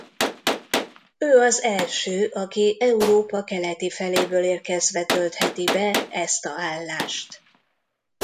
Ő az első aki Európa keleti feléből érkezve töltheti be ezt a állást.